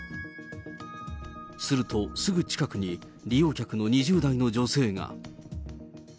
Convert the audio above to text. すると、すぐ近くに利用客の２０代の女性が。